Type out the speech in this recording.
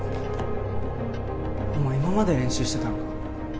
お前今まで練習してたのか？